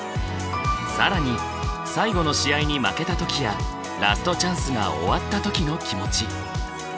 更に最後の試合に負けた時やラストチャンスが終わった時の気持ち。